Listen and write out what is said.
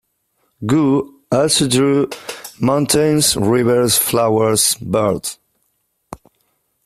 Wu also drew mountains, rivers, flowers, birds.